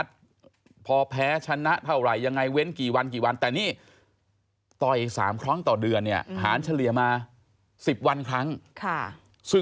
ซึ่งมันเยอะเกินไปแน่